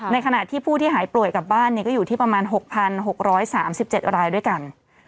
ขณะที่ผู้ที่หายป่วยกลับบ้านก็อยู่ที่ประมาณ๖๖๓๗รายด้วยกัน